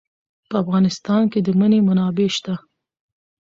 په افغانستان کې د منی منابع شته.